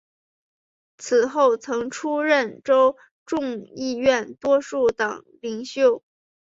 此后曾出任州众议院多数党领袖。